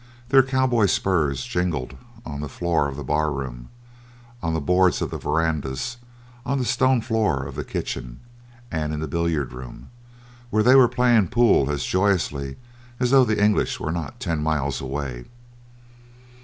Their cowboy spurs jingled on the floor of the bar room, on the boards of the verandas, on the stone floor of the kitchen, and in the billiard room, where they were playing pool as joyously as though the English were not ten miles away.